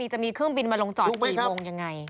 จะมีเครื่องบินมาลงจอดกี่โมงยังไง